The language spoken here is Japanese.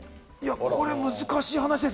これは難しい話です。